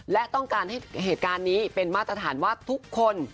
และต้องการให้เหตุการณ์นี้เป็นมาตรฐานว่าทุกคน